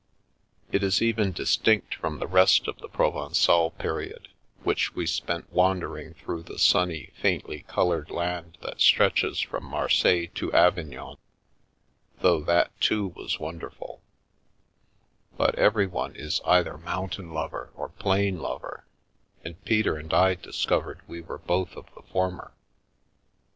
It is even distinct from the rest of the Provencal period, which we spent wandering through the sunny, faintly coloured land that stretches from Marseilles to Avignon, though that, too, was wonderful ; but everyone is either mountain lover or plain lover, and Peter and I discov ered we were both of the former.